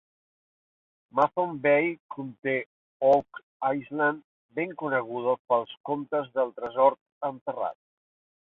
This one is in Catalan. Mathone Bay conté Oak Island, ben coneguda pels contes del tresor enterrat.